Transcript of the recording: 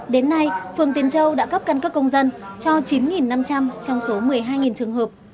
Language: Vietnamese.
đến nay phường tiền châu đã cấp căn cước công dân cho chín năm trăm linh trong số một mươi hai trường hợp